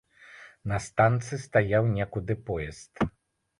На станцыі стаяў некуды поезд.